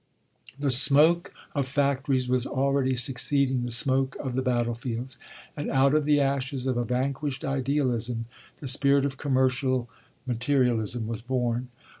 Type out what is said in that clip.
The smoke of factories was already succeeding the smoke of the battlefields, and out of the ashes of a vanquished idealism the spirit of commercial materialism was born.